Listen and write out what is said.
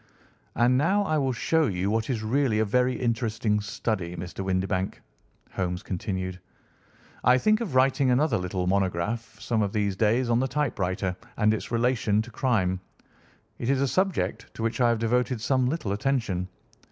"And now I will show you what is really a very interesting study, Mr. Windibank," Holmes continued. "I think of writing another little monograph some of these days on the typewriter and its relation to crime. It is a subject to which I have devoted some little attention.